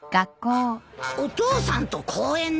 お父さんと公園で？